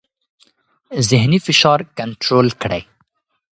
ذهني فشار کنټرول کړئ.